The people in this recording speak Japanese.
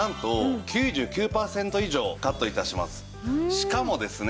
しかもですね